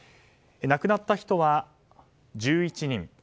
亡くなった人は１１人。